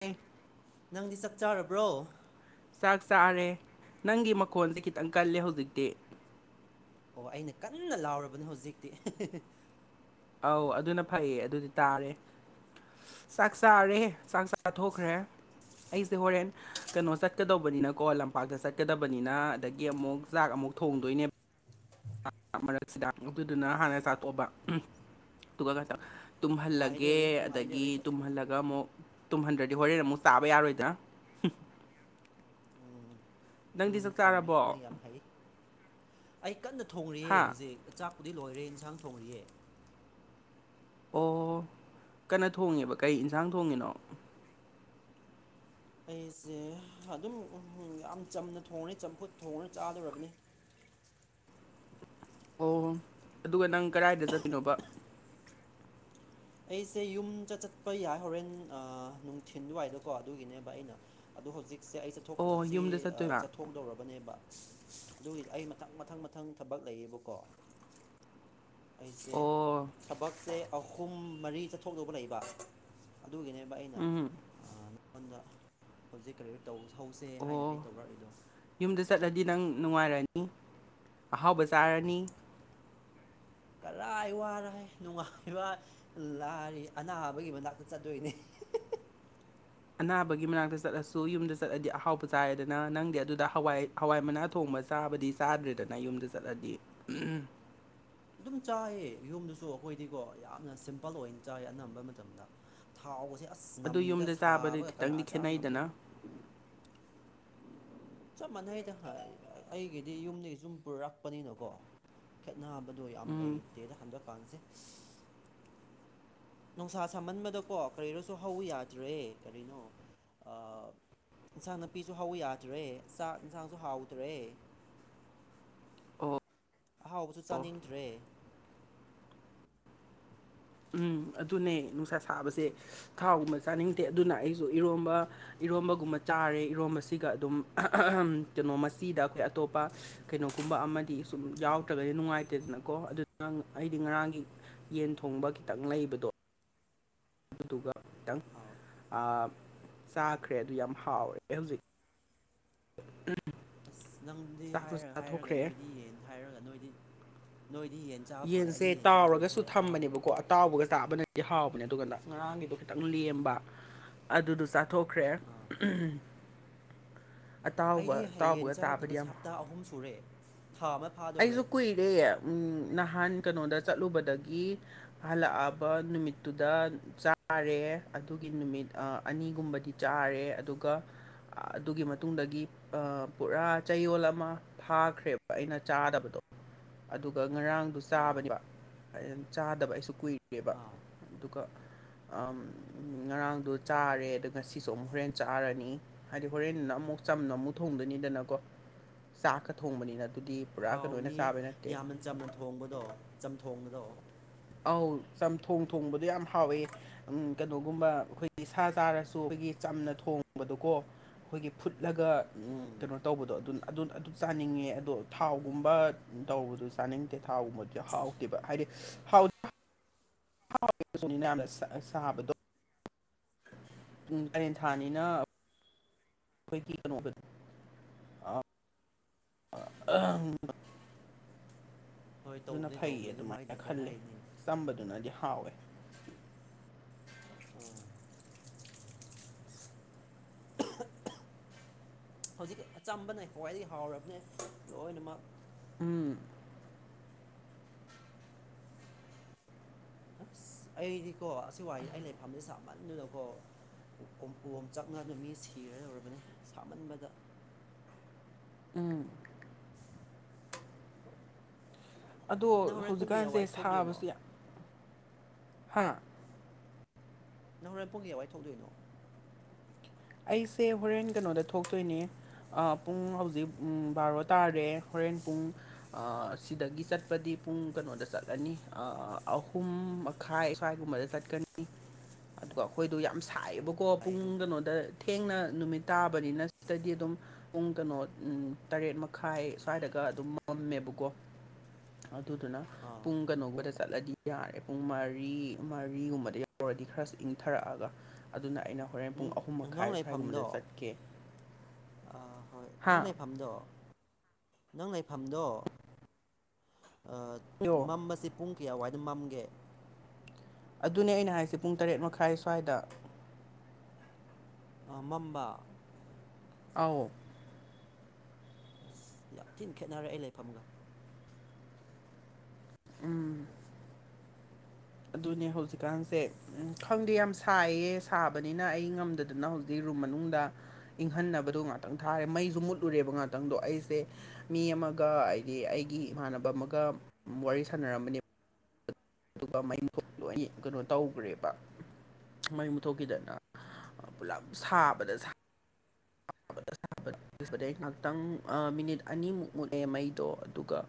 ꯂꯩ ꯅꯪꯗꯤ ꯆꯞ ꯆꯥꯔꯕ꯭ꯔꯣ ꯆꯥꯛ ꯆꯥꯔꯦ ꯅꯪꯒꯤ ꯃꯈꯣꯟꯁꯦ ꯈꯤꯇꯪ ꯀꯜꯂꯦ ꯍꯧꯖꯤꯛꯇꯤ ꯑꯣ ꯑꯩꯅ ꯀꯟꯅ ꯂꯥꯎꯔꯕꯅꯦ ꯍꯧꯖꯤꯛꯇꯤ ꯑꯧ ꯑꯗꯨꯅ ꯐꯩꯌꯦ ꯑꯗꯨꯗꯤ ꯇꯥꯔꯦ ꯆꯥꯛ ꯆꯥꯔꯦ ꯆꯥꯛ ꯆꯥꯊꯣꯛꯈ꯭ꯔꯦ ꯑꯩꯁꯦ ꯍꯣꯔꯦꯟ ꯀꯩꯅꯣ ꯆꯠꯀꯗꯧꯕꯅꯤꯅ ꯀꯣ ꯂꯝꯄꯥꯛꯇ ꯆꯠꯀꯗꯕꯅꯤꯅ ꯑꯗꯒꯤ ꯑꯃꯨꯛ ꯆꯥꯛ ꯑꯃꯨꯛ ꯑꯃꯨꯛ ꯊꯣꯡꯗꯣꯏꯅꯦꯕ ꯃꯔꯛꯁꯤꯗ ꯑꯗꯨꯗꯨꯅ ꯍꯥꯟꯅ ꯆꯥꯊꯣꯛꯑꯕ ꯑꯗꯨꯒ ꯇꯨꯝꯍꯜꯂꯒꯦ ꯅꯨꯡꯉꯥꯏꯗꯣꯔꯤ ꯑꯗꯒꯤ ꯅꯨꯡꯉꯥꯏꯗꯣꯔꯤ ꯇꯨꯝꯍꯜꯂꯒ ꯑꯃꯨꯛ ꯇꯨꯝꯍꯟꯗ꯭ꯔꯗꯤ ꯍꯣꯔꯦꯟ ꯑꯃꯨꯛ ꯆꯥꯕ ꯌꯥꯔꯣꯏꯗ꯭ꯔꯥ ꯑꯗꯨꯗꯨꯅꯦ ꯆꯨꯝꯃꯤ ꯅꯪ ꯌꯥꯝ ꯍꯩ ꯑꯩ ꯀꯟꯅ ꯊꯣꯡꯔꯤꯑꯦ ꯍꯥ ꯍꯧꯖꯤꯛ ꯆꯥꯛ ꯎꯗꯤ ꯂꯣꯏꯔꯦ ꯌꯦꯟꯁꯥꯡ ꯊꯣꯡꯔꯤꯑꯦ ꯑꯣ ꯀꯟꯅ ꯊꯣꯡꯉꯦꯕ ꯀꯩ ꯌꯦꯟꯁꯥꯡ ꯊꯣꯡꯉꯤꯅꯣ ꯑꯩꯁꯦ ꯑꯗꯨꯝ ꯌꯥꯝ ꯆꯝꯅ ꯊꯣꯡꯉꯅꯤ ꯆꯝꯐꯨꯠ ꯊꯣꯡꯉꯅꯤ ꯆꯥꯗꯧꯔꯕꯅꯤ ꯍ ꯑꯣ ꯑꯗꯨꯒ ꯅꯪ ꯀꯗꯥꯏꯗ ꯆꯠꯇꯄꯤꯅꯣꯕ ꯑꯩꯁꯦ ꯌꯨꯝꯆ ꯆꯠꯄ ꯌꯥꯏ ꯍꯣꯔꯦꯟ ꯅꯨꯡꯊꯤꯤꯟꯗꯨꯋꯥꯏꯗꯀꯣ ꯑꯗꯨꯒꯤꯅꯦꯕ ꯑꯩꯅ ꯑꯗꯣ ꯍꯧꯖꯤꯛ ꯁꯦ ꯑꯩ ꯆꯠꯊꯣꯛ ꯑꯣ ꯁꯤ ꯌꯨꯝꯗ ꯆꯠꯇꯣꯏꯕ ꯆꯠꯊꯣꯛꯗꯧꯔꯕꯅꯦꯕ ꯑꯗꯨꯒꯤꯗꯤ ꯑꯩ ꯃꯊꯪ ꯃꯊꯪ ꯃꯊꯪ ꯊꯕꯛ ꯂꯩꯌꯦꯕꯀꯣ ꯑꯩꯁꯦ ꯑꯣ ꯊꯕꯛꯁꯦ ꯑꯍꯨꯝ ꯃꯔꯤ ꯆꯠꯊꯣꯛꯧꯕ ꯂꯩꯕ ꯑꯗꯨꯒꯤꯅꯦꯕ ꯑꯩꯅ ꯎꯝ ꯅꯉꯣꯟꯗ ꯍꯧꯖꯤꯛ ꯀꯔꯤꯌꯔ ꯇꯧꯕ ꯑꯣ ꯌꯨꯝꯗ ꯆꯠꯂꯗꯤ ꯅꯪ ꯅꯨꯡꯉꯥꯏꯔꯅꯤ ꯑꯍꯥꯎ ꯖꯔꯅꯤ ꯀꯔꯥꯏ ꯋꯥꯔꯥꯏ ꯅꯨꯡꯉꯥꯏꯕ ꯂꯥꯏꯔꯤ ꯑꯅꯥꯕꯒꯤ ꯃꯅꯥꯛꯇ ꯆꯠꯇꯣꯏꯅꯦ [unintelligible] ꯑꯅꯥꯕꯒꯤ ꯃꯅꯥꯛꯇ ꯆꯠꯂꯁꯨ ꯌꯨꯝꯗ ꯆꯠꯂꯗꯤ ꯑꯍꯥꯎꯕ ꯆꯥꯏꯔꯦꯗꯅ ꯅꯪꯗꯤ ꯑꯗꯨꯗ ꯍꯋꯥꯏ ꯍꯋꯥꯏ ꯃꯅꯥ ꯊꯣꯡꯕ ꯆ ꯆꯥꯗ꯭ꯔꯦꯗꯅ ꯌꯨꯝ ꯆꯠꯂꯗꯤ ꯑꯗꯨꯝ ꯆꯥꯏꯑꯌꯦ ꯌꯨꯝꯗꯨꯁꯨ ꯑꯩꯈꯣꯏꯗꯤꯀꯣ ꯌꯥꯝꯅ ꯁꯤꯝꯄꯜ ꯑꯣꯏꯅ ꯆꯥꯏ ꯑꯅꯝꯕ ꯃꯇꯝꯗ ꯊꯥꯎꯕꯁ ꯑꯗꯨ ꯌꯨꯝꯗ ꯆꯥꯕꯗꯤ ꯈꯤꯇꯪꯗꯤ ꯈꯦꯠꯅꯩꯗꯅ ꯉꯝꯗꯣꯏꯅꯣ ꯆꯞ ꯃꯥꯟꯅꯩꯗ ꯑꯩꯒꯤꯗꯤ ꯌꯨꯝꯗꯒꯤ ꯁꯨꯝ ꯄꯨꯔꯛꯄꯅꯤꯅꯀꯣ ꯑꯅꯥꯕꯗꯣ ꯌꯥꯝ ꯎꯝ ꯂꯩꯇꯦꯗ ꯍꯟꯗꯛꯀꯥꯟꯁꯦ ꯅꯨꯡꯁꯥ ꯁꯥꯍꯟꯕꯗꯀꯣ ꯀꯔꯤꯔꯁꯨ ꯍꯧ ꯌꯥꯗ꯭ꯔꯦ ꯀꯔꯤꯅꯣ ꯏꯟꯁꯥꯡ ꯅꯥꯄꯤꯁꯨ ꯍꯧ ꯌꯥꯗ꯭ꯔꯦ ꯆꯥꯛ ꯏꯟꯁꯥꯡꯁꯨ ꯍꯥꯎꯗ꯭ꯔꯦ ꯑꯣ ꯑꯍꯥꯎꯕꯁꯨ ꯑꯣ ꯆꯥꯅꯤꯡꯗ꯭ꯔꯦ ꯎꯝ ꯑꯗꯨꯅꯦ ꯅꯨꯡꯁꯥ ꯁꯥꯕꯁꯦ ꯊꯥꯎꯒꯨꯝꯕ ꯆꯥꯅꯤꯡꯗꯦ ꯑꯗꯨꯅ ꯑꯩꯁꯨ ꯏꯔꯣꯝꯕ ꯏꯔꯣꯝꯕꯒꯨꯝꯕ ꯆꯥꯔꯦ ꯏꯔꯣꯝꯕꯁꯤꯒ ꯑꯗꯨꯝ ꯀꯩꯅꯣ ꯃꯆꯤꯗ ꯑꯩꯈꯣꯏ ꯑꯇꯣꯞꯄ ꯀꯩꯅꯣꯒꯨꯝ ꯑꯗꯨꯨꯝꯕ ꯑꯃꯗꯤ ꯁꯨꯝ ꯌꯥꯎꯗ꯭ꯔꯒꯗꯤ ꯅꯨꯡꯉꯥꯏꯇꯦꯗꯅꯀꯣ ꯑꯗꯨꯅ ꯑꯩꯗꯤ ꯉꯔꯥꯡꯒꯤ ꯌꯦꯟ ꯊꯣꯡꯕ ꯈꯤꯇꯪ ꯂꯩꯕꯗꯣ ꯑꯗꯨꯗꯨꯒ ꯈꯤꯇꯪ ꯑꯥꯎ ꯆꯥꯈ꯭ꯔꯦ ꯑꯗꯨ ꯌꯥꯝ ꯍꯥꯎꯔꯦ ꯍꯧꯖꯤꯛ ꯑ ꯑꯁ ꯅꯪꯗꯤ ꯍꯥꯏꯔ ꯍꯥꯏꯔꯒ ꯅꯣꯏꯗꯤ ꯌꯦꯟ ꯍꯥꯏꯔꯒ ꯅꯣꯏꯗꯤ ꯅꯣꯏꯗꯤ ꯌꯦꯟ ꯆꯥꯕ ꯐꯪꯔꯦ ꯌꯦꯟꯁꯦ ꯑꯩꯗꯤ ꯌꯦꯟ ꯆꯥꯔꯛꯇꯕꯁꯦ ꯇꯥꯎꯔꯒꯁꯨ ꯍꯥꯞ ꯊꯝꯕꯅꯦꯕꯀꯣ ꯑꯇꯥꯎꯕꯒ ꯇꯥꯕꯅ ꯍꯥꯎꯕꯅꯦ ꯑꯗꯨꯒꯥꯟꯗ ꯉꯔꯥꯡꯒꯤꯗꯣ ꯈꯤꯇꯪ ꯂꯦꯝꯕ ꯑꯗꯨꯗꯣ ꯆꯥꯊꯣꯛꯈ꯭ꯔꯦ ꯑꯥ ꯑꯇꯥꯎꯕ ꯑꯩꯗꯤ ꯌꯦꯟ ꯑꯇꯥꯎꯕꯒ ꯇꯥꯕꯗꯤ ꯆꯥꯔꯛꯇꯕꯁꯦ ꯌꯥꯝ ꯍ ꯍꯞꯇꯥ ꯑꯍꯨꯝ ꯁꯨꯔꯦ ꯊꯥ ꯑꯃ ꯐꯥꯗꯧꯔꯦ ꯑꯩꯁꯨ ꯀꯨꯏꯔꯦ ꯎꯝ ꯅꯍꯥꯟ ꯀꯩꯅꯣꯗ ꯆꯠꯂꯨꯕꯗꯒꯤ ꯍꯜꯂꯛꯑꯕ ꯅꯨꯃꯤꯠꯇꯨꯗ ꯆꯥꯔꯦ ꯑꯗꯨꯒꯤ ꯅꯨꯃꯤꯠ ꯑꯅꯤꯒꯨꯝꯕꯗꯤ ꯆꯥꯔꯦ ꯑꯗꯨꯒ ꯑꯗꯨꯒꯤ ꯃꯇꯨꯡꯗꯒꯤ ꯄꯨꯔꯥ ꯆꯌꯣꯜ ꯑꯃ ꯊꯥꯈ꯭ꯔꯦꯕ ꯑꯩꯅ ꯆꯥꯗꯕꯗꯣ ꯑꯗꯨꯒ ꯉꯔꯥꯡꯗꯣ ꯑꯥ ꯆꯥꯕꯅꯦꯕ ꯑꯗꯨ ꯆꯥꯗꯕ ꯑꯩꯁꯨ ꯀꯨꯏ ꯕ ꯑꯥ ꯑꯗꯨꯒ ꯉꯔꯥꯡꯗꯣ ꯆꯥꯔꯦ ꯑꯗꯨꯒ ꯁꯤꯁꯨ ꯑꯃꯨꯛ ꯍꯣꯔꯦꯟ ꯆꯥꯔꯅꯤ ꯍꯥꯏꯗꯤ ꯍꯣꯔꯦꯟ ꯆ ꯊꯣꯡꯗꯣꯏꯅꯤꯗꯅ ꯆꯥꯛ ꯊꯣꯡꯕꯅꯤꯅ ꯑꯗꯨ ꯍꯥꯎꯅꯤ ꯌꯥꯝꯅ ꯆꯝꯅ ꯊꯣꯡꯕꯗꯣ ꯆꯝꯊꯣꯡꯕꯗꯣ ꯑꯥꯎ ꯆꯝꯊꯣꯡ ꯊꯣꯡꯕꯗꯣ ꯌꯥꯝ ꯍꯥꯎꯋꯦ ꯎ ꯀꯩꯅꯣꯒꯨꯝꯕ ꯑꯩꯈꯣꯏꯒꯤ ꯁꯥ ꯆꯥꯔꯁꯨ ꯑꯩꯈꯣꯏꯒꯤ ꯆꯝꯅ ꯊꯣꯡꯕꯗꯣꯀꯣ ꯑꯩꯈꯣꯏꯒꯤ ꯐꯨꯠꯂꯒ ꯎꯝ ꯀꯩꯅꯣ ꯇꯧꯕꯗꯣ ꯑꯗꯨ ꯑꯗꯨ ꯑꯗꯨ ꯆꯥꯅꯤꯡꯉꯦ ꯑꯗꯣ ꯊꯥꯎꯒꯨꯝꯕ ꯇꯧꯕꯗꯨ ꯆꯥꯅꯤꯡꯗꯦ ꯊꯥꯎꯒꯨꯝꯕꯗꯨꯗꯤ ꯍꯥꯎꯇꯦꯕ ꯍꯥꯏꯗꯤ ꯍꯥꯎ ꯍꯥꯎꯅꯤꯅ ꯌꯥꯝꯅ ꯁꯥꯕꯗꯣ ꯎ ꯀꯔꯦꯟ ꯊꯥꯅꯤꯅ ꯈꯣꯏ ꯀ ꯀꯩꯅꯣ ꯑ ꯍꯣꯏ ꯑꯗꯨꯅ ꯇꯧꯕꯅꯤ ꯐꯩꯌꯦ ꯇꯧꯕꯅꯤ ꯑꯗꯨꯝ ꯍꯥꯏꯅ ꯑꯗꯨꯃꯥꯏꯅ ꯀꯩ ꯈꯜꯂꯦ ꯍꯥꯏꯅꯤ ꯆꯝꯕꯗꯨꯅꯗꯤ ꯍꯥꯎꯋꯦ ꯎꯝ ꯍꯧꯖꯤꯛ ꯑꯆꯝꯕꯅꯦ ꯈ꯭ꯋꯥꯏꯗꯒꯤ ꯍꯥꯎꯔꯕꯅꯦ ꯂꯣꯏꯅꯃꯛ ꯎꯝ ꯑ ꯑꯩꯗꯤꯀꯣ ꯑꯁꯤ ꯋꯥꯍ ꯑꯩ ꯂꯩꯐꯝꯗꯤ ꯁꯥꯃꯟꯗꯨꯅꯀꯣ ꯎꯝ ꯆꯛꯅꯅꯕ ꯃꯤ ꯁꯤꯔ ꯌꯧꯔꯕꯅꯤ ꯁꯥꯃꯟꯕꯗ ꯎꯝ ꯑꯗꯣ ꯅꯪ ꯍꯣꯔꯦꯟ ꯄꯨꯡ ꯀꯌꯥꯋꯥꯏ ꯍꯧꯖꯤꯛꯀꯥꯟꯁꯦ ꯊꯣꯛꯇꯣꯏꯅꯣ ꯁꯥꯕꯁꯨ ꯌꯥꯝ ꯍꯥꯥꯡ ꯅꯍꯣꯔꯏ ꯄꯨꯡ ꯀꯋꯥꯏ ꯊꯣꯛꯗꯣꯏꯅꯣ ꯑꯩꯁꯦ ꯍꯣꯔꯦꯟ ꯀꯩꯅꯣꯗ ꯊꯣꯛꯇꯣꯏꯅꯦ ꯄꯨꯡ ꯍꯧꯖꯤꯛ ꯕꯥꯔꯣ ꯇꯥꯔꯦ ꯍꯣꯔꯦꯟ ꯄꯨꯡ ꯑꯁꯤꯗꯒꯤ ꯆꯠꯄꯗꯤ ꯄꯨꯡ ꯀꯩꯅꯣꯗ ꯆꯠꯂꯅꯤ ꯑꯍꯨꯝ ꯃꯈꯥꯏ ꯁ꯭ꯋꯥꯏꯒꯨꯝꯕꯗ ꯆꯠꯀꯅꯤ ꯑꯗꯨꯒ ꯑꯩꯈꯣꯏꯗꯣ ꯌꯥꯝ ꯑꯣ ꯁꯥꯏꯌꯦꯕꯀꯣ ꯌꯥꯏꯌꯦ ꯄꯨꯡ ꯑꯗꯨꯕꯨꯗꯤ ꯀꯩꯅꯣꯗ ꯊꯦꯡꯅ ꯅꯨꯃꯤꯠ ꯇꯥꯕ ꯕꯅꯤꯅ ꯁꯤꯗꯗꯤ ꯑꯗꯨꯝ ꯄꯨꯡ ꯀꯩꯅꯣ ꯇꯔꯦꯠ ꯃꯈꯥꯏ ꯁ꯭ꯋꯥꯏꯗꯒ ꯑꯗꯨꯝ ꯃꯝꯃꯦꯕꯀꯣ ꯑ ꯑꯗꯨꯗꯨꯅ ꯑꯥ ꯄꯨꯡ ꯀꯩꯅꯣꯒꯗ ꯆꯠꯂꯗꯤ ꯌꯥꯔꯦ ꯄꯨꯡ ꯃꯔꯤ ꯃꯔꯤꯒꯨꯝꯕꯗ ꯌꯥꯎꯔꯗꯤ ꯈꯔ ꯏꯪꯊꯔꯛꯑꯒ ꯑꯗꯨꯅ ꯑꯩꯅ ꯍꯣꯔꯦꯟ ꯄꯨꯡ ꯑꯍꯨꯝ ꯃꯈꯥꯏ ꯁ꯭ꯋꯥꯏꯒꯨꯝꯕꯗ ꯆꯠꯀꯦ ꯑ ꯍꯣꯏ ꯅꯪ ꯍꯥ ꯂꯩꯐꯝꯗꯣ ꯅꯪ ꯂꯩꯐꯝꯗꯣ ꯌꯣ ꯃꯁꯦ ꯄꯨꯡ ꯀꯌꯥ ꯋꯥꯏ ꯑꯗꯨꯃꯝꯒꯦ ꯑꯗꯨꯅꯦ ꯑꯩꯅ ꯍꯥꯏꯁꯦ ꯄꯨꯡ ꯇꯔꯦꯠ ꯃꯈꯥꯏ ꯁ꯭ꯋꯥꯏꯗ ꯃꯝꯝꯕ ꯑ ꯑꯁ ꯌꯥꯝ ꯊꯤꯅ ꯈꯦꯠꯅꯔꯦ ꯑꯩ ꯂꯩꯐꯝꯒ ꯎꯝ ꯑꯗꯨꯅꯦ ꯍꯧꯖꯤꯛꯀꯥꯟꯁꯦ ꯎꯝ ꯈꯪꯗꯦ ꯌꯥꯝ ꯁꯥꯏꯌꯦ ꯁꯥꯕꯅꯤꯅ ꯑꯩ ꯉꯝꯗꯗꯅ ꯍꯧꯖꯤꯛ ꯔꯨꯝ ꯃꯅꯨꯡꯗ ꯏꯪꯍꯟꯅꯕꯗꯣ ꯉꯥꯛꯇꯪ ꯊꯥꯔꯦ ꯃꯩꯁꯨ ꯃꯨꯠꯂꯨꯔꯦꯕ ꯉꯥꯛꯇꯪꯗꯣ ꯑꯩꯁꯦ ꯃꯤ ꯑꯃ ꯑꯃꯒ ꯍꯥꯏꯗꯤ ꯑꯩꯒꯤ ꯏꯃꯥꯟꯅꯕ ꯑꯃꯒ ꯋꯥꯔꯤ ꯁꯥꯟꯅꯔꯝꯕꯅꯦ ꯑꯗꯨꯒ ꯃꯩ ꯃꯨꯊꯣꯛ ꯂꯣꯏ ꯀꯩꯅꯣ ꯇꯧꯈ꯭ꯔꯦꯕ ꯃꯩ ꯃꯨꯊꯣꯛꯈꯤꯗꯅ ꯄꯨꯂꯞ ꯁꯥꯕꯗ ꯗꯩ ꯉꯥꯏꯍꯥꯛꯇꯪ ꯃꯤꯅꯤꯠ ꯑꯅꯤꯃꯨꯛ ꯃꯨꯠꯂꯦ ꯃꯩꯗꯣ ꯑꯗꯨꯒ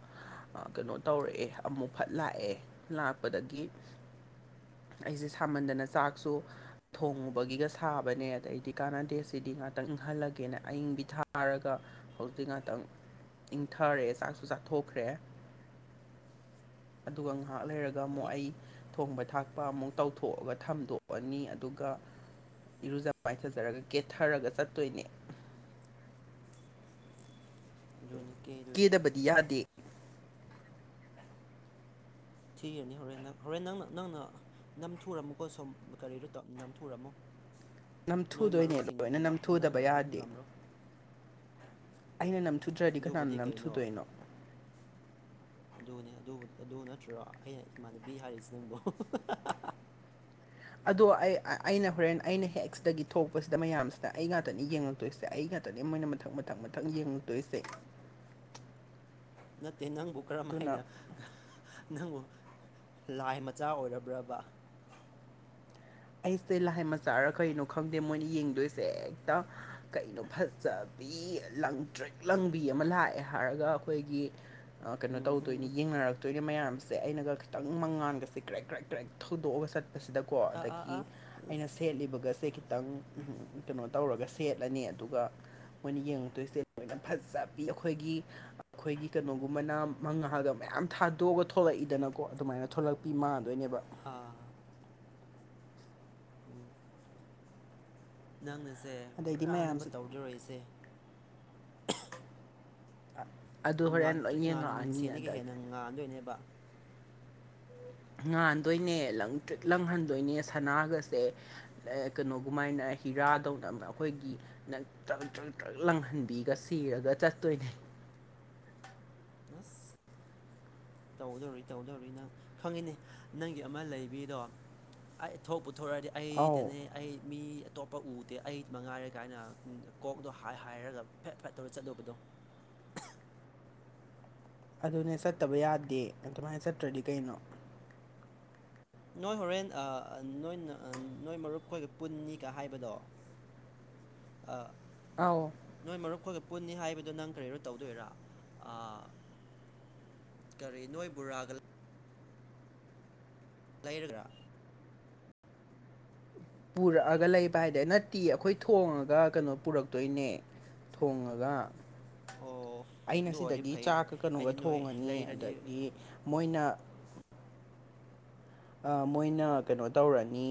ꯀꯩꯅꯣ ꯇꯧꯔꯛꯑꯦ ꯑꯃꯨꯛ ꯐꯠ ꯂꯥꯛꯑꯦ ꯂꯥꯛꯄꯗꯒꯤ ꯑꯩꯁꯦ ꯁꯥꯃꯟꯗꯅ ꯆꯥꯛꯁꯨ ꯊꯣꯡꯉꯨꯕꯒꯤꯒ ꯁꯥꯕꯅꯦ ꯑꯗꯩꯗꯤ ꯀꯥꯟꯅꯗꯦ ꯁꯤꯗꯤ ꯉꯥꯛꯇꯪ ꯍꯜꯂꯒꯦꯅ ꯑꯏꯪꯕꯤ ꯊꯥꯔꯒ ꯍꯧꯖꯤꯛꯇꯛ ꯉꯥꯛꯇꯪ ꯏꯪꯊꯔꯦ ꯆꯥꯛꯁꯨ ꯆꯥꯊꯣꯛꯈ꯭ꯔꯦ ꯑꯗꯨꯒ ꯉꯥꯏꯍꯥꯛ ꯂꯩꯔꯒ ꯑꯗꯨꯒ ꯐꯩ ꯑꯃꯨꯛ ꯑꯩ ꯊꯣꯡꯕ ꯊꯥꯛꯄ ꯑꯃꯨꯛ ꯇꯧꯊꯣꯛꯑꯒ ꯊꯝꯗꯣꯛꯑꯅꯤ ꯑꯗꯨꯒ ꯏꯔꯨꯖ ꯃꯥꯏꯊꯖꯔꯒ ꯀꯦꯠꯊꯔꯒ ꯆꯠꯇꯣꯏꯅꯦ ꯑꯗꯨꯅꯤ ꯀꯦꯗꯣꯏꯅꯤ ꯀꯦꯗꯕꯗꯤ ꯌꯥꯗꯦ ꯊꯤꯒꯅꯤ ꯍꯣꯔꯦꯟ ꯅꯪ ꯍꯣꯔꯦꯟ ꯅꯪ ꯅꯪꯅ ꯅꯝꯊꯨꯔꯝꯃꯨꯀꯣ ꯁꯨꯝ ꯀꯔꯤꯗꯣ ꯇ ꯅꯝꯊꯨꯔꯝꯃꯣ ꯅꯝꯊꯨꯗꯣꯏꯅꯦ ꯂꯣꯏꯅ ꯅꯝꯊꯨꯗꯕ ꯅꯪꯅ ꯑꯗꯨꯝ ꯌꯥꯗꯦ ꯉꯝꯔꯣ ꯑꯩꯅ ꯅꯝꯊꯨꯗ꯭ꯔꯗꯤ ꯀꯅꯥꯅ ꯑꯗꯨꯕꯨꯗꯤ ꯀꯩꯅꯣ ꯅꯝꯊꯨꯗꯣꯏꯅꯣ ꯑꯗꯨꯅꯦ ꯑꯗꯨ ꯅꯠꯇ꯭ꯔꯣ ꯑꯩꯅ ꯏꯃꯥꯟꯅꯕꯤ ꯍꯥꯏꯔꯤꯁꯤ ꯅꯪꯕꯨ ꯑꯗꯣ ꯑꯩ ꯑꯥ ꯑꯩꯅ ꯍꯣꯔꯦꯟ ꯑꯩꯅ ꯍꯦꯛ ꯁꯤꯗꯒꯤ ꯊꯣꯛꯄꯁꯤꯗ ꯃꯌꯥꯝꯁꯤꯗ ꯑꯩ ꯉꯥꯛꯇꯅꯤ ꯌꯦꯡꯉꯛꯇꯣꯏꯁꯦ ꯑꯩ ꯇꯅꯤ ꯃꯣꯏꯅ ꯃꯊꯪ ꯃꯊꯪ ꯃꯊꯪ ꯌꯦꯡꯉꯨꯛꯇꯣꯏꯁꯦ ꯅꯠꯇꯦ ꯅꯪꯕꯨ ꯀꯔꯝꯥꯏꯅ ꯅꯪꯕꯨ ꯂꯥꯏ ꯃꯆꯥ ꯑꯣꯏꯔꯕ꯭ꯔꯕ ꯑꯩꯁꯦ ꯂꯥꯏ ꯃꯆꯥꯔ ꯀꯩꯅꯣ ꯈꯪꯗꯦ ꯃꯣꯏꯅ ꯌꯦꯡꯗꯣꯏꯁꯦ ꯍꯦꯛꯇ ꯀꯩꯅꯣ ꯐꯖ ꯕꯤ ꯂꯪꯇ꯭ꯔꯤꯛ ꯂꯪꯕꯤ ꯑꯃ ꯂꯥꯛꯑꯦ ꯍꯥꯏꯔꯒ ꯑꯩꯈꯣꯏꯒꯤ ꯀꯩꯅꯣ ꯎꯝ ꯎꯝ ꯇꯧꯗꯣꯏꯅꯤ ꯎꯝ ꯌꯦꯡꯅꯔꯛꯇ ꯑꯗꯨꯒꯤ ꯃꯌꯥꯝꯁꯦ ꯑꯩꯅꯒ ꯈꯤꯇꯪ ꯃꯉꯥꯟꯒꯁꯦ ꯀ꯭ꯔꯦꯛ ꯀ꯭ꯔꯦꯛ ꯀ꯭ꯔꯦꯛ ꯊꯧꯗꯣꯛꯑꯒ ꯆꯠꯄꯁꯤꯗꯀꯣ ꯑꯥ ꯑꯗꯒꯤ ꯑꯥ ꯑꯥ ꯑꯩꯅ ꯑꯁ ꯁꯦꯠꯂꯤꯕꯒꯁꯦ ꯈꯤꯇꯪ ꯀꯩꯅꯣ ꯇꯧꯔꯒ ꯁꯦꯠꯂꯅꯤ ꯑꯗꯨꯒ ꯃꯣꯏꯅ ꯌꯦꯡꯉꯛꯇꯣꯏꯁꯦ ꯃꯁꯛ ꯐꯖꯕꯤ ꯑꯩꯈꯣꯏꯒꯤ ꯑꯩꯈꯣꯏꯒꯤ ꯀꯩꯅꯣꯒꯨꯝꯕꯅ ꯃꯪꯉꯥꯜꯒ ꯃꯌꯥꯝ ꯌꯥꯝ ꯊꯥꯗꯣꯛꯑꯒ ꯊꯂꯛꯏꯗꯅꯀꯣ ꯑꯗꯨꯃꯥꯏꯅ ꯊꯣꯛꯂꯛꯄꯤ ꯃꯥꯟꯗꯣꯏꯅꯦꯕ ꯑꯥ ꯅꯪꯅꯁꯦ ꯑꯗꯩꯗꯤ ꯄꯨꯔꯥꯅꯦꯅꯕ ꯃꯌꯥꯝꯁꯦ ꯇꯧꯗꫭꯔꯤꯏꯁꯦ ꯑꯗꯨ ꯍꯣꯔꯦꯟ ꯂꯣꯏ ꯉꯥꯟꯇ꯭ꯔꯤꯛ ꯉꯥꯟꯅ ꯌꯦꯡꯉꯛꯑꯅꯤ ꯃꯤꯡꯁꯦꯟꯗꯒꯤ ꯍꯦꯟꯅ ꯑꯗꯒꯤ ꯉꯥꯟꯗꯣꯏꯅꯦꯕ ꯉꯥꯟꯗꯣꯏꯅꯦ ꯂꯪꯇ꯭ꯔꯤꯛ ꯂꯪꯍꯟꯗꯣꯏꯅꯦ ꯁꯅꯥꯒꯁꯦ ꯑꯥ ꯀꯩꯅꯣꯒꯨꯃꯥꯏꯅ ꯍꯤꯔꯥꯗꯧꯅ ꯑꯩꯈꯣꯏꯒꯤ ꯅ ꯇ꯭ꯔꯛ ꯇ꯭ꯔꯛ ꯇ꯭ꯔꯛ ꯂꯪꯍꯟꯕꯤꯒ ꯁꯤꯔꯒ ꯆꯠꯇꯣꯏꯅꯦ [inaudible] ꯑꯁ ꯇꯧꯗꯣꯔꯤ ꯇꯧꯗꯣꯔꯤ ꯅꯪ ꯈꯪꯉꯤꯅꯦ ꯅꯪꯒꯤ ꯑꯃ ꯂꯩꯕꯤꯗꯣ ꯑꯩ ꯊꯣꯛ ꯄꯨꯊꯣꯔꯛ ꯑꯗꯤ ꯑꯧ ꯑꯩꯗꯅꯦ ꯑꯩ ꯃꯤ ꯑꯇꯣꯞꯄ ꯎꯗꯦ ꯑꯩ ꯃꯉꯥꯏꯔꯦ ꯀꯥꯏꯅ ꯀꯣꯛꯗꯣ ꯍꯥꯏꯔꯒ ꯐꯦꯠ ꯐꯦꯠ ꯇꯧꯔ ꯆꯠꯇꯧꯕꯗꯣ [inaudible] ꯑꯗꯨꯅꯦ ꯆꯠꯇꯕ ꯌꯥꯗꯦ ꯑꯗꯨꯃꯥꯏꯅ ꯆꯠꯇ꯭ꯔꯗꯤ ꯀꯩꯅꯣ ꯅꯣꯏ ꯍꯣꯔꯦꯟ ꯑꯥ ꯅꯣꯏ ꯅ ꯅꯣꯏ ꯃꯔꯨꯞꯈꯣꯏꯒ ꯄꯨꯟꯅꯤꯒ ꯍꯥꯏꯕꯗꯣ ꯑꯥ ꯑꯧ ꯅꯣꯏ ꯃꯔꯨꯞꯈꯣꯏꯒ ꯄꯨꯟꯅꯤ ꯍꯥꯏꯕꯗ ꯅꯪ ꯀꯔꯤꯔꯣ ꯇꯧꯗꯣꯏꯔꯥ ꯑꯥ ꯀꯔꯤ ꯅꯣꯏ ꯕꯨꯔꯥꯒ ꯂꯩꯔꯒ ꯄꯨꯔꯛꯑꯒ ꯂꯩꯕ ꯍꯥꯏꯗꯤ ꯅꯠꯇꯤꯌꯦ ꯑꯩꯈꯣꯏ ꯊꯣꯡꯉꯒ ꯀꯩꯅꯣ ꯄꯨꯔꯛꯇꯣꯏꯅꯦ ꯊꯣꯡꯉꯒ ꯑꯣ ꯑꯩꯅ ꯑꯗꯨ ꯑꯣꯏꯔꯗꯤ ꯁꯤꯗꯒꯤ ꯐꯩ ꯆꯥꯛꯀ ꯀꯩꯅꯣꯒ ꯑꯩꯗꯤ ꯅꯣꯏ ꯊꯣꯡꯉꯅꯤ ꯂꯩꯔꯅꯤ ꯑꯗꯒꯤ ꯃꯣꯏꯅ ꯃꯣꯏꯅ ꯀꯩꯅꯣ ꯇꯧꯔꯅꯤ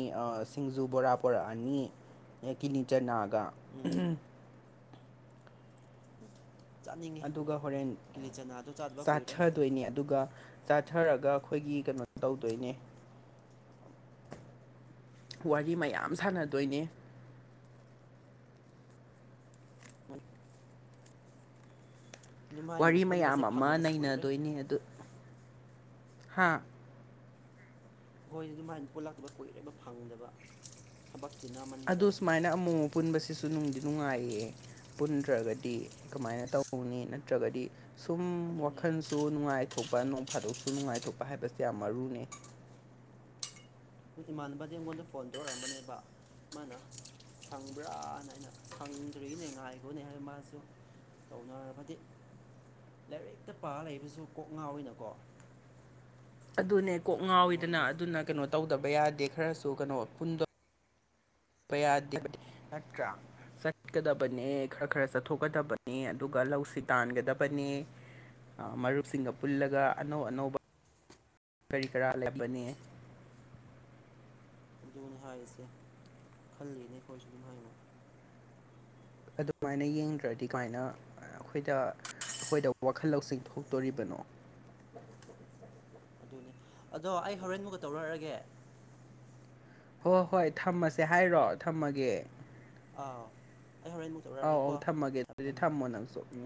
ꯁꯤꯡꯖꯨ ꯕꯣꯔꯥ ꯄꯨꯣꯔꯛꯑꯅꯤ ꯑꯦ ꯀꯤꯅꯤꯆꯠ ꯅꯥꯒ ꯎꯝ ꯆꯥꯅꯤꯡꯉꯤ ꯑꯗꯨꯒ ꯍꯣꯔꯦꯟ ꯀꯤꯂꯤ ꯆꯅꯥꯗꯣ ꯆꯥꯗꯕ ꯀꯨꯏꯔꯦ ꯆꯥꯊꯗꯣꯏꯅꯤ ꯑꯗꯨꯒ ꯇꯥꯊꯔꯒ ꯑꯩꯈꯣꯏꯒꯤ ꯀꯩꯅꯣ ꯇꯧꯗꯣꯏꯅꯦ ꯋꯥꯔꯤ ꯃꯌꯥꯝ ꯁꯥꯟꯅꯗꯣꯏꯅꯦ ꯃꯣꯏ ꯋꯥꯔꯤ ꯍꯥꯏꯅꯒ ꯃꯌꯥꯝ ꯄꯨꯟꯕꯁꯦ ꯑꯃ ꯐꯪꯗꯕꯁꯨ ꯀꯨꯏꯔꯦ ꯅꯩꯅꯗꯣꯏꯅꯦ ꯑꯗꯨ ꯍꯥ ꯍꯣꯏ ꯑꯗꯨꯃꯥꯏꯅ ꯄꯣꯠꯂꯥꯛꯇꯕ ꯀꯨꯏꯔꯕ ꯐꯪꯗꯕ ꯊꯕꯛ ꯑꯗꯣ ꯆꯤꯟꯅꯃꯟꯕꯗ ꯁꯨꯃꯥꯏꯅ ꯑꯃꯨꯣꯝ ꯑꯃ ꯄꯨꯟꯕꯁꯤꯁꯨ ꯅꯨꯡꯗꯤ ꯅꯨꯡꯉꯥꯏꯌꯦ ꯄꯨꯟꯗ꯭ꯔꯒꯗꯤ ꯀꯃꯥꯏꯅ ꯇꯧꯅꯤ ꯅꯠꯇ꯭ꯔꯒꯗꯤ ꯁꯨꯝ ꯑꯗꯨꯅꯦ ꯋꯥꯈꯜꯁꯨ ꯅꯨꯡꯉꯥꯏꯊꯣꯛꯄ ꯐꯥꯗꯣꯛꯁꯨ ꯅꯨꯡꯉꯥꯏꯊꯣꯛꯄ ꯍꯥꯏꯁꯦ ꯌꯥꯝ ꯃꯔꯨꯅꯤ ꯍꯣꯏ ꯏꯃꯥꯟꯅꯕꯗꯤ ꯑꯩꯉꯣꯟꯗ ꯐꯣꯟ ꯇꯧꯔꯛꯑꯝꯕꯅꯦꯕ ꯃꯥꯅ ꯐꯪꯕ꯭ꯔꯥꯅ ꯍꯥꯏꯅ ꯐꯪꯗ꯭ꯔꯤꯒꯤꯅꯦ ꯉꯥꯏꯈꯣꯅꯦ ꯍꯥꯏꯕ ꯃꯥꯁꯨ ꯇꯧꯅꯔꯕꯗꯤ ꯂꯥꯏꯔꯤꯛꯇ ꯄꯥ ꯂꯩꯕꯁꯨ ꯀꯣꯛ ꯉꯥ ꯑꯣꯏꯅꯀꯣ ꯑꯗꯨꯅꯦ ꯀꯣꯛ ꯉꯥꯎꯋꯤꯗꯅ ꯑꯗꯨꯅ ꯀꯩꯅꯣ ꯇꯧꯗꯕ ꯌꯥꯗꯦ ꯈꯔꯁꯨ ꯀꯩꯅꯣ ꯄꯨꯟꯗ ꯎꯄ ꯌꯥꯗ ꯅꯠꯇ꯭ꯔ ꯆꯠꯀꯗꯕꯅꯦ ꯈꯔ ꯈꯔ ꯆꯠꯊꯣꯛꯀꯗꯕꯅꯦ ꯑꯗꯨꯒ ꯂꯧꯁꯤ ꯇꯥꯟꯒꯗꯕꯅꯦ ꯃꯔꯨꯞꯁꯤꯡꯒ ꯄꯨꯜꯂꯒ ꯑꯅꯧ ꯑꯅꯧꯕ ꯀꯔꯤ ꯀꯔꯥ ꯂꯩꯕꯅꯤ ꯑꯗꯨꯅꯦ ꯍꯥꯏꯔꯤꯁꯦ ꯈꯜꯂꯤꯅꯦ ꯑꯩꯈꯣꯏꯁꯨ ꯑꯗꯨꯝ ꯍꯥꯏꯅ ꯑꯗꯨꯃꯥꯏꯅ ꯌꯦꯡꯗ꯭ꯔꯗꯤ ꯀꯃꯥꯏꯅ ꯑꯩꯈꯣꯏꯗ ꯑꯩꯈꯣꯏꯗ ꯋꯥꯈꯜ ꯂꯧꯁꯤꯡ ꯊꯣꯛꯇꯣꯔꯤꯕꯅꯣ ꯑꯗꯨꯅꯦ ꯑꯗꯣ ꯑꯩ ꯍꯣꯔꯦꯟꯃꯨꯛꯀ ꯇꯧꯔꯛꯑꯒꯦ ꯍꯣꯏ ꯍꯣꯏ ꯊꯝꯃꯁꯦ ꯍꯥꯏꯔꯣ ꯊꯝꯃꯒꯦ ꯑꯥꯎ ꯑꯧ ꯑꯧ ꯊꯝꯃꯒꯦ ꯑꯗꯨꯗꯤ ꯊꯝꯃꯣ ꯅꯪꯁꯨ ꯎꯝ